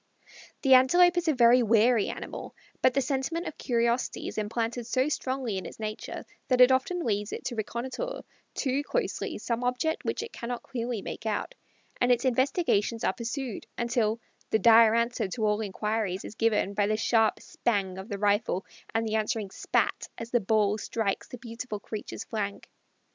The Antelope is a very wary animal, but the sentiment of curiosity is implanted so strongly in its nature that it often leads it to reconnoitre too closely some object which it cannot clearly make out, and its investigations are pursued until "the dire answer to all inquiries is given by the sharp 'spang' of the rifle and the answering 'spat' as the ball strikes the beautiful creatures flank."